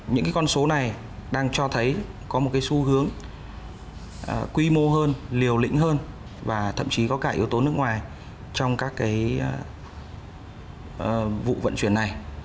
những con số này đang cho thấy có một cái xu hướng quy mô hơn liều lĩnh hơn và thậm chí có cả yếu tố nước ngoài trong các vụ vận chuyển này